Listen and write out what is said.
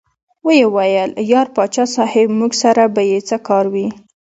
ویې ویل: یار پاچا صاحب موږ سره به یې څه کار وي.